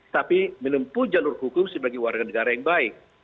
tapi menempuh jalur hukum sebagai warga negara yang baik